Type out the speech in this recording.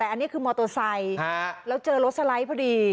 แต่อันนี้คือมอเตอร์ไซค์แล้วเจอรถสไลด์พอดี